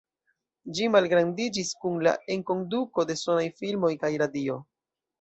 Ĝi malgrandiĝis kun la enkonduko de sonaj filmoj kaj radio.